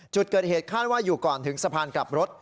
จุดเกิดเหตุคาดว่าอยู่ก่อนถึงสะพานกลับรถ